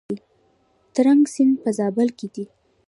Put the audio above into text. ترنک سیند په زابل کې دی؟